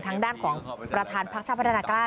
ทางด้านของประธานพักชาติพัฒนากล้า